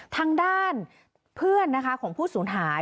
ทางด้านเพื่อนนะคะของผู้สูญหาย